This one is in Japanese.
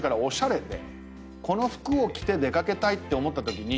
この服を着て出掛けたいって思ったときに。